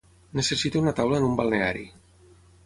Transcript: Necessito una taula en un balneari